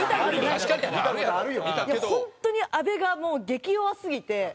本当に安部がもう激弱すぎて。